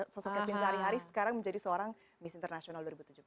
sosok kevin sehari hari sekarang menjadi seorang miss international dua ribu tujuh belas